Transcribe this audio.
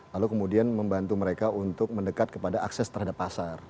lalu kemudian membantu mereka untuk mendekat kepada akses terhadap pasar